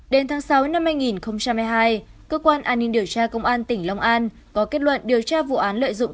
đến tháng sáu năm hai nghìn hai mươi hai cơ quan an ninh điều tra công an tỉnh long an có kết luận điều tra vụ án lợi dụng